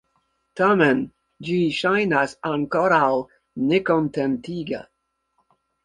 Tamen, ĝi ŝajnas ankoraŭ nekontentiga.